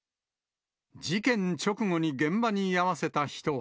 事件直後に現場に居合わせた人は。